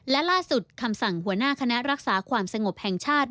และล่าสุดคำสั่งหัวหน้าคณะรักษาความสงบแห่งชาติ